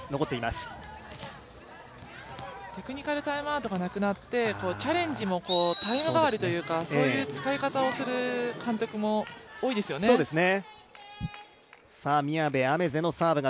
テクニカルタイムアウトがなくなって、チャレンジもタイムわりというか、そういう使い方をする監督も多いですよね。